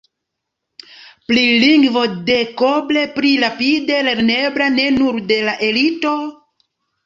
Pri lingvo dekoble pli rapide lernebla ne nur de la elito?